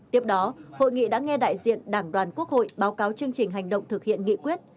tiếp đó hội nghị đã nghe đại diện đảng đoàn quốc hội báo cáo chương trình hành động thực hiện nghị quyết